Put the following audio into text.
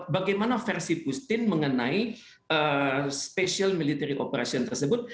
bagaimana versi putin mengenai special military operation tersebut